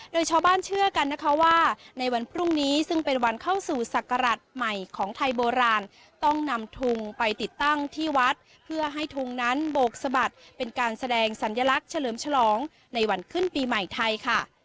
โดยชาวบ้านเชื่อกันนะคะว่าในวันพรุ่งนี้ซึ่งเป็นวันเข้าสู่ศักราชใหม่ของไทยโบราณต้องนำทุงไปติดตั้งที่วัดเพื่อให้ทุงนั้นโบกสะบัดเป็นการแสดงสัญลักษณ์เฉลิมฉลองในวันขึ้นปีใหม่ไทยค่ะ